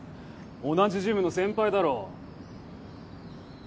同じジムの先輩だろ？